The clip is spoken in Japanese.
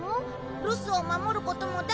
留守を守ることも大事なんだ。